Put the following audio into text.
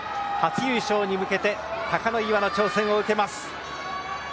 初優勝に向けて貴ノ岩の挑戦を受けます。